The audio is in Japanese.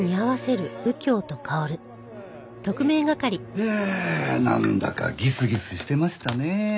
いやなんだかギスギスしてましたねえ。